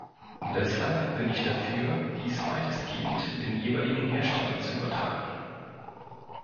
Deshalb bin ich dafür, dies weitestgehend den jeweiligen Herstellern zu übertragen.